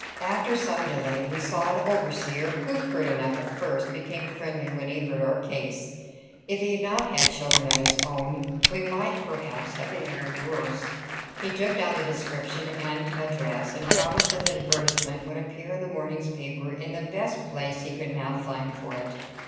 After some delay, we saw an overseer, who, curt enough at first, became friendly when he heard our case. If he had not had children of his own, we might perhaps have fared worse. He took down the description and address, and promised that the advertisement should appear in the morning's paper in the best place he could now find for it.